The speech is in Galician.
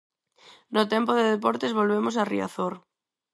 No tempo de deportes volvemos a Riazor.